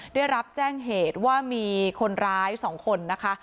ได้รับแจ้งเหตุว่ามีคนร้าย๒คนนะคะ